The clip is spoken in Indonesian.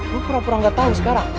lo pura pura ga tau sekarang